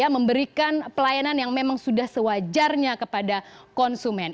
memberikan pelayanan yang memang sudah sewajarnya kepada konsumen